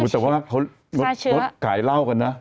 อุ๊ยแต่ว่าเขารถกายเหล้ากันนะ